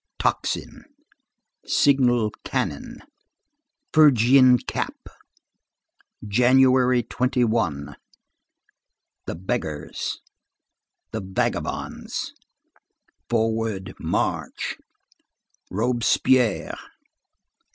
Tocsin. Signal cannon. Phrygian cap. January 21. The beggars. The vagabonds. Forward march. Robespierre.